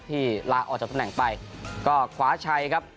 ลาออกจากตำแหน่งไปก็คว้าชัยครับ